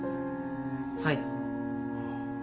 はい。